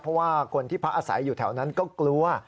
เพราะว่าคนที่พักอาศัยอยู่แถวนั้นก็กลัว